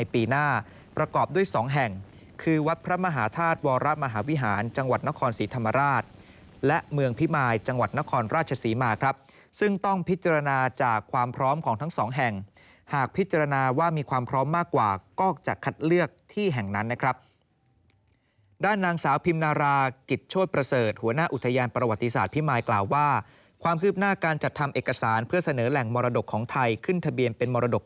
ประกอบด้วย๒แห่งคือวัดพระมหาธาตุวรมหาวิหารจังหวัดนครศรีธรรมราชและเมืองพิมายจังหวัดนครราชศรีมาครับซึ่งต้องพิจารณาจากความพร้อมของทั้ง๒แห่งหากพิจารณาว่ามีความพร้อมมากกว่าก็จะคัดเลือกที่แห่งนั้นนะครับด้านนางสาวพิมนารากิจโชชประเสริฐหัวหน้าอุทยานประวัติศาสตร์